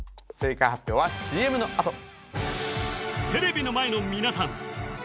正解発表はＣＭのあとテレビの前の皆さん